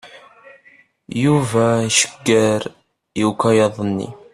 Yuba icegger i ukayad-nni.